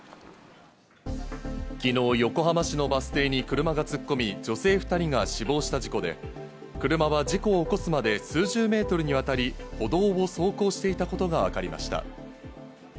昨日、横浜市のバス停に車が突っ込み、女性２人が死亡した事故で、車は事故を起こすまで数十ｍにわたり歩道を走行していたことがわかりました。